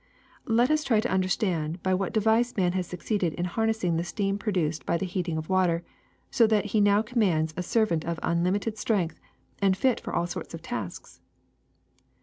Let us try to understand by what device man has succeeded in harnessing the steam produced by the heating of water, so that he now commands a servant of unlimited strength and fit for all sorts of tasks.